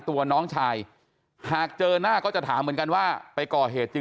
ตัวน้องชายหากเจอหน้าก็จะถามเหมือนกันว่าไปก่อเหตุจริง